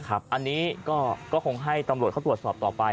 อันนี้ก็คงให้ตำรวจเขาตรวจสอบต่อไป